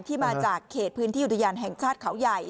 มาจากเขตพื้นที่อุทยานแห่งชาติเขาใหญ่